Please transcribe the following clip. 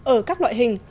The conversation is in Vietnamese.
ở các loại hình